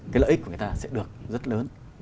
cái lợi ích của người ta sẽ được rất lớn